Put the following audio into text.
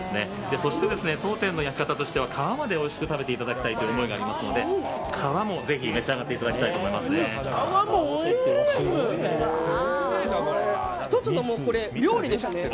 そして、当店の焼き方としては皮までおいしく食べていただきたいという思いがありますので皮もぜひ１つの料理ですね。